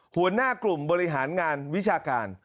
หัวหน้ากลุ่มบริหารงานวิชาการ